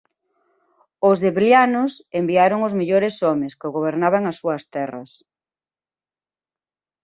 Os drevlianos enviaron aos mellores homes que gobernaban as súas terras.